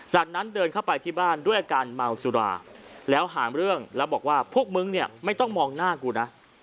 จากนั้นเดินเข้าไปที่บ้านด้วยอาการเมาสุราแล้วหาเรื่องแล้วบอกว่าพวกมึงเนี่ยไม่ต้องมองหน้ากูนะ